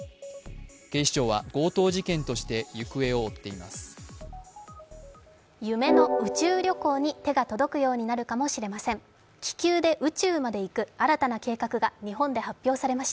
警視庁は強盗事件として行方を追っています。